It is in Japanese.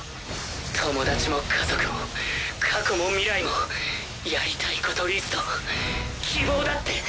友達も家族も過去も未来もやりたいことリスト希望だって。